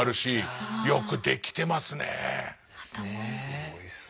すごいっすね。